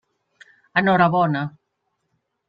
Enhorabona.